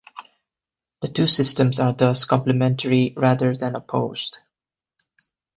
The two systems are thus complementary rather than opposed.